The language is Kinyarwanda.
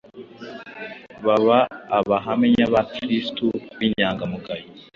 baba abahamya ba Kristo b’inyangamugayo.